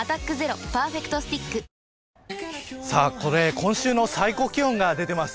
今週の最高気温が出ています。